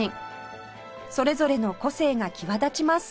それぞれの個性が際立ちます